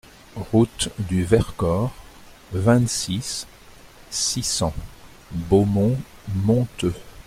Route du Vercors, vingt-six, six cents Beaumont-Monteux